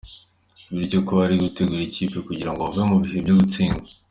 bityo ko ari gutegura ikipe kugira ngo bave mu bihe byo gutsindwa.